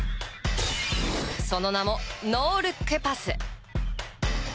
その名も、ノールックパス。